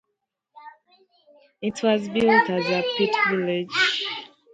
It was built as a pit village.